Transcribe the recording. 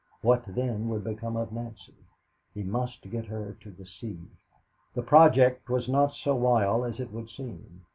What, then, would become of Nancy? He must get her to the sea. The project was not so wild as it would seem.